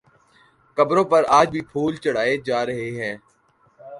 قبروں پر آج بھی پھول چڑھائے جا رہے ہیں